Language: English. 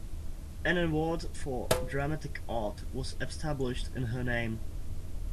An award for dramatic art was established in her name.